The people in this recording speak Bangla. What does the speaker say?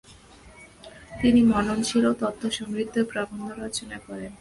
তিনি মননশীল ও তথ্যসমৃদ্ধ প্রবন্ধ রচনা করেন।